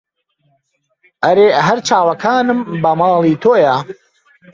ئەرێ هەر چاوەکانم بە ماڵی تۆیە